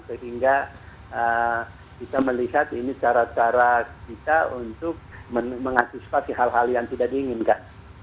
sehingga kita melihat ini cara cara kita untuk mengantisipasi hal hal yang tidak diinginkan